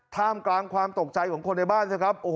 ท่ามกลางความตกใจของคนในบ้านเถอะครับ